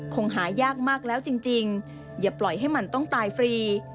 คงหายากมากแล้วจริงอย่าปล่อยให้มันต้องตายฟรี